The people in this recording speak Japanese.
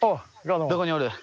どこにおる？